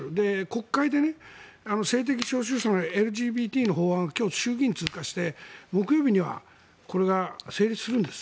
国会で性的少数者のＬＧＢＴの法案が今日、衆議院を通過して木曜日にはこれが成立するんです。